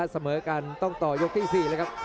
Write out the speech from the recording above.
เสมอกันต้องต่อยกที่๔เลยครับ